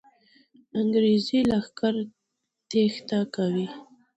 انګریزي لښکر تېښته کوي.